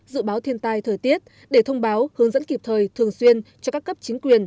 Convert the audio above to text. dự báo thiên tai thời tiết để thông báo hướng dẫn kịp thời thường xuyên cho các cấp chính quyền